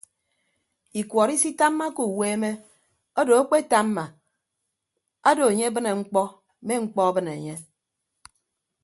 Ikuọt isitammake uweeme odo akpetamma odo enye abịne mkpọ me mkpọ abịne enye.